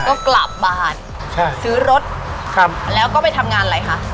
ก็กลับบ้านใช่ซื้อรถครับแล้วก็ไปทำงานอะไรคะ